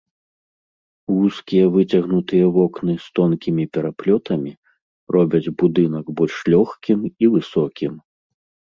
Вузкія выцягнутыя вокны з тонкімі пераплётамі робяць будынак больш лёгкім і высокім.